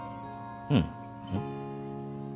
うんうん？